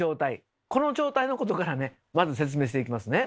この状態のことからねまず説明していきますね。